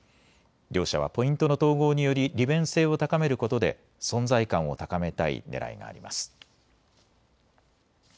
両社はポイントの統合により利便性を高めることで存在感を高めたいねらいがあります。